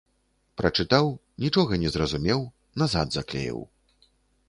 Прачытаў, нічога не зразумеў, назад заклеіў.